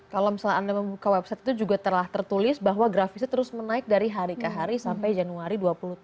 kalau misalnya anda membuka website itu juga telah tertulis bahwa grafisnya terus menaik dari hari ke hari sampai januari dua puluh tujuh